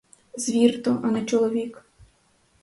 Звір то, а не чоловік.